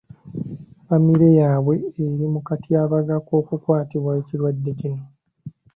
Ffamire yaabwe eri mu katyabaga k’okukwatibwa ekirwadde kino.